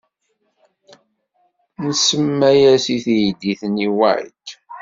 Nsemma-as i teydit-nni White.